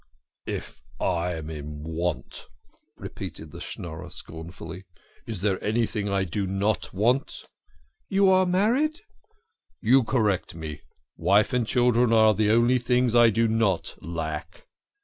" If I am in want !" repeated the Schnorrer scornfully. " Is there anything I do not want? " "You are married?" " You correct me wife and children are the only things I do not lack."